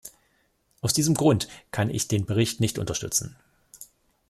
Aus diesem Grund kann ich den Bericht nicht unterstützen.